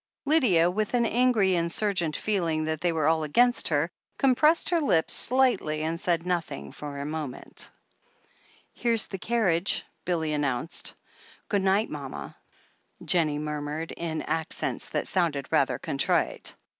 Lydia, with an angry, insurgent feeling that they were all against her, compressed her lips slightly and said nothing for a moment. THE HEEL OF ACHILLES 365 "Here's the carriage," Billy announced. "Good night, mama," JenAie murmured, in accents that sounded rather contrite.